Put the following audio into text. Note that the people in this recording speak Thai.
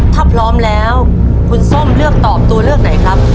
ถ้าพร้อมแล้วคุณส้มเลือกตอบตัวเลือกไหนครับ